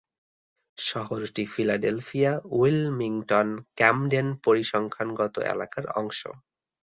শহরটি ফিলাডেলফিয়া-উইলমিংটন-ক্যামডেন পরিসংখ্যানগত এলাকার অংশ।